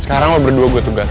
sekarang gue berdua gue tugas